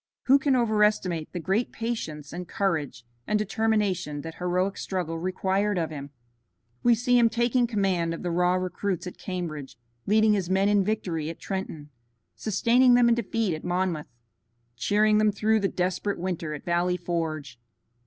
Who can overestimate the great patience and courage and determination that heroic struggle required of him? We see him taking command of the raw recruits at Cambridge, leading his men in victory at Trenton, sustaining them in defeat at Monmouth, cheering them through the desperate winter at Valley Forge.